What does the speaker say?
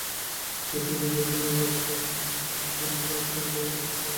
রাজনীতির প্রয়োজনে লাখ লাখ তরুণকে ফেনসিডিল শরাব পান করতে প্রলুব্ধ করা হচ্ছে।